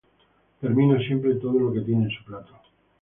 terminar siempre todo lo que tiene en su plato